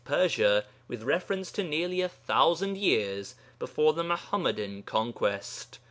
Persia with reference to nearly 1000 years before the Muḥammadan conquest.